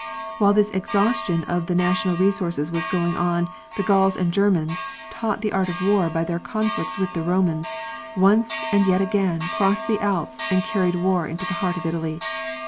While this exhaustion of the national resources was going on the Gauls and Germans, taught the art of war by their conflicts with the Romans, once and yet again crossed the Alps and carried war into the heart of Italy.